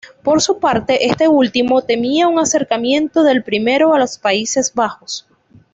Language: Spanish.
Por su parte, este último temía un acercamiento del primero a los Países Bajos.